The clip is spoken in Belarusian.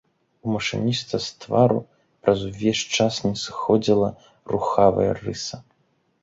У машыніста з твару праз увесь час не сыходзіла рухавая рыса.